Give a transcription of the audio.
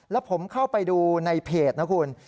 แล้วผมเข้าไปดูในเพจนะคุณ